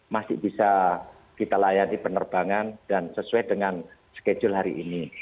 masih bisa kita layani penerbangan dan sesuai dengan schedule hari ini